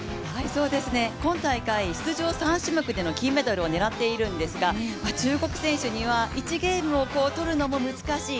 今大会出場３種目での金メダルを狙っているんですが中国選手には１ゲームをとるのも難しい。